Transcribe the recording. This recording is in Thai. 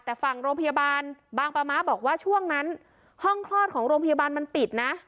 แต่ฝั่งโรงพยาบาลบางประมะบอกว่าช่วงนั้นห้องคลอดของโรงพยาบาลมันปิดนะ